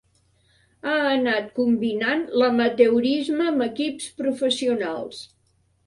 Ha anat combinant l'amateurisme amb equips professionals.